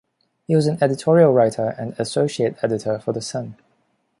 He was an editorial writer and associate editor for "The Sun".